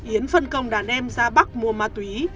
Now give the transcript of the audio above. yến phân công đàn em ra bắc mua ma túy